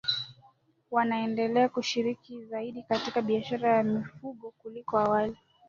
wanaendelea kushiriki zaidi katika biashara ya mifugo kuliko awali